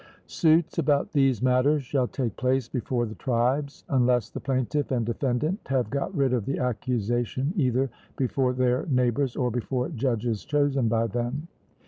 Suits about these matters shall take place before the tribes, unless the plaintiff and defendant have got rid of the accusation either before their neighbours or before judges chosen by them.